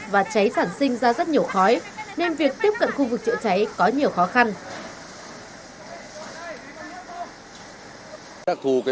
và cháy sản sinh ra rất nhiều khói nên việc tiếp cận khu vực chữa cháy có nhiều khó khăn